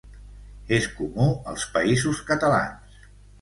És comú als Països Catalans.